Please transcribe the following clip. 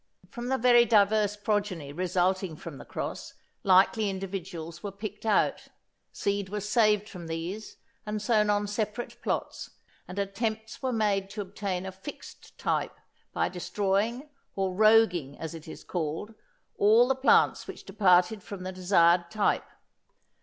From the very diverse progeny resulting from the cross, likely individuals were picked out. Seed was saved from these and sown on separate plots, and attempts were made to obtain a fixed type by destroying, or roguing as it is called, all the plants which departed from the desired type.